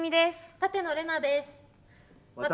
舘野伶奈です。